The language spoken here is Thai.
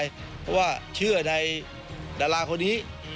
เพราะว่าเชื่อในดาราคนนี้